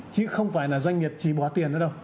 chứ không phải là doanh nghiệp chỉ bỏ tiền nữa đâu